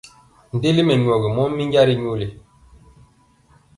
Ndeli mɛnyɔgi mɔ minja ri nyoli.